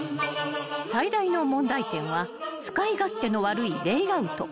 ［最大の問題点は使い勝手の悪いレイアウト］